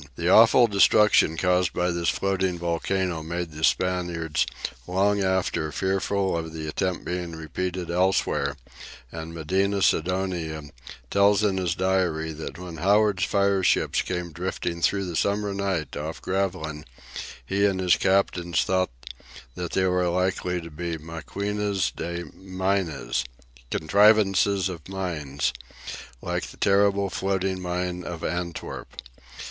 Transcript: The awful destruction caused by this floating volcano made the Spaniards long after fearful of the attempt being repeated elsewhere, and Medina Sidonia tells in his diary that when Howard's fireships came drifting through the summer night off Gravelines, he and his captains thought that they were likely to be maquinas de minas, "contrivances of mines," like the terrible floating mine of Antwerp.